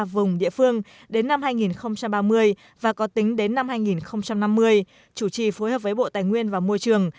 vùng địa phương đến năm hai nghìn ba mươi và có tính đến năm hai nghìn năm mươi chủ trì phối hợp với bộ tài nguyên và môi trường